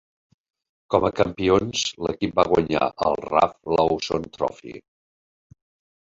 Com a campions, l'equip va guanyar el Ralph Lawson Trophy.